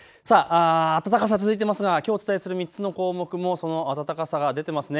暖かさ続いていますがきょうお伝えする３つの項目もその暖かさが出てますね。